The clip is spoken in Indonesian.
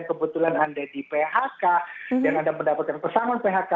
kebetulan anda di phk dan anda mendapatkan pesangon phk